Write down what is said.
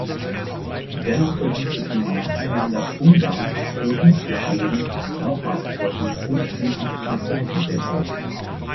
Dennoch verwüsteten nacheinander Ungarn, Türken, Schweden, nochmals Türken und schließlich Franzosen den Ort.